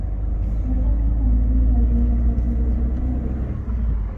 ওয়াসার পানি পান করেই ডায়রিয়ায় আক্রান্ত হয়েছে বলে দাবি করেন তিনি।